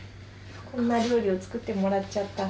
こんな料理を作ってもらっちゃった。